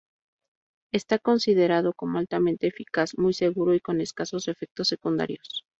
Está considerado como altamente eficaz, muy seguro y con escasos efectos secundarios.